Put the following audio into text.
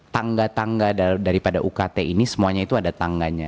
tangga tangga daripada ukt ini semuanya itu ada tangganya